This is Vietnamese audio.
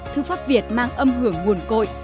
thư pháp việt mang âm hưởng nguồn cội